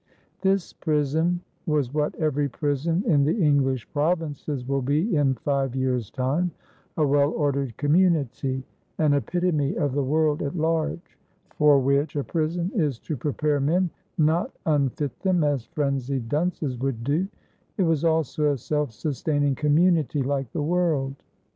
This prison was what every prison in the English provinces will be in five years' time a well ordered community, an epitome of the world at large, for which a prison is to prepare men, not unfit them as frenzied dunces would do; it was also a self sustaining community, like the world.